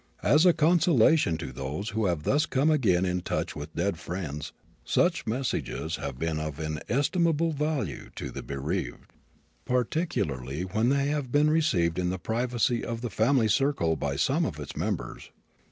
As a consolation to those who have thus come again in touch with dead friends such messages have been of inestimable value to the bereaved, particularly when they have been received in the privacy of the family circle by some of its members.